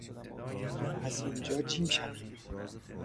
بیا از اینجا جیم شویم!